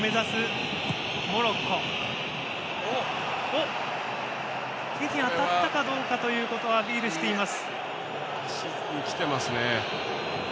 足に当たったかということをアピールしています。